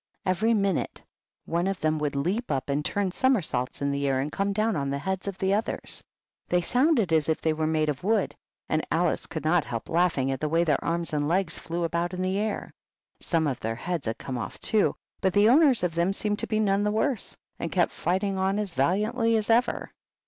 Every minute one of them would leap up and turn somersaults in the air and come down on the heads of the others. They sounded as if they were made of wood, and Alice could not help laughing at the way their arms and legs flew about in the air. Some of their heads had come off, too, but the owners of them seemed to be none the worse, and kept fighting on as valiantly as ever.